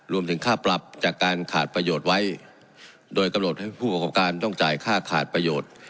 รวมถึงค่าปรับจากการขาดประโยชน์ไว้โดยกำหนดให้ผู้ประกอบการต้องจ่ายค่าขาดประโยชน์